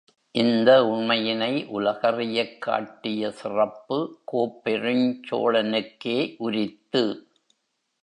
இந்த உண்மையினை உலகறியக் காட்டிய சிறப்பு கோப்பெருஞ் சோழனுக்கே உரித்து.